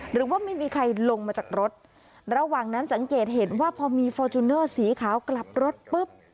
หรือว่าไม่มีใครลงมาจากรถระหว่างนั้นสังเกตเห็นว่าพอมีฟอร์จูเนอร์สีขาวกลับรถปุ๊บ